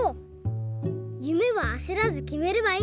ゆめはあせらずきめればいいんだね。